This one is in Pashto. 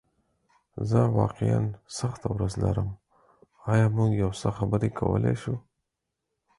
زه واقعیا سخته ورځ لرم، ایا موږ یو څه خبرې کولی شو؟